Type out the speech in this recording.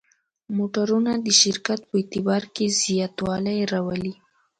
موټرونه د شرکت په اعتبار کې زیاتوالی راولي.